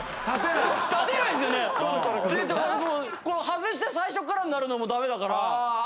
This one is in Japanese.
外して最初からになるのもダメだから。